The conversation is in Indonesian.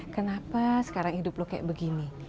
kenapa sekarang hidup lo kayak begini